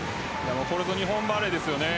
これぞ日本バレーですよね。